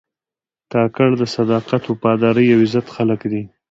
کاکړ د صداقت، وفادارۍ او عزت خلک دي.